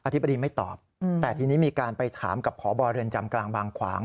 ธิบดีไม่ตอบแต่ทีนี้มีการไปถามกับพบเรือนจำกลางบางขวาง